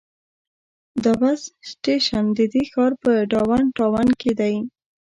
دا بس سټیشن د دې ښار په ډاون ټاون کې دی.